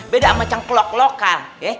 beda sama cengklok lokal